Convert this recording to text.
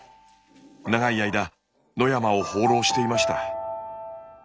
長い間野山を放浪していました。